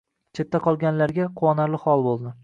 Chetda qolganlarga quvonarli hol bo‘ldi